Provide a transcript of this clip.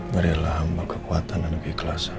berilah kekuatan dan keikhlasan